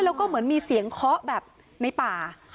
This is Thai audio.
แล้วก็เหมือนมีเสียงเคาะแบบในป่า